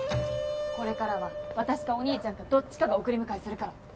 これからは私かお兄ちゃんかどっちかが送り迎えするから。